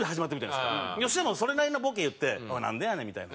吉田もそれなりのボケ言って「おいなんでやねん」みたいな。